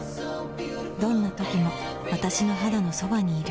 どんな時も私の肌のそばにいる